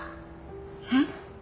えっ？